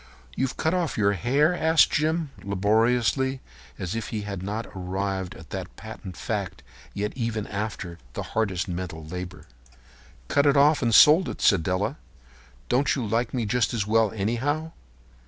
"You've cut off your hair?" asked Jim, laboriously, as if he had not arrived at that patent fact yet even after the hardest mental labor. "Cut it off and sold it," said Della. "Don't you like me just as well, anyhow?